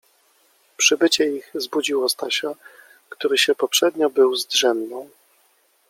Przybycie ich zbudziło Stasia, który się poprzednio był zdrzemnął.